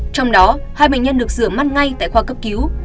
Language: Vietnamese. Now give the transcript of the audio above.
trong đó hai bệnh nhân được rửa mắt ngay tại khoa cấp cứu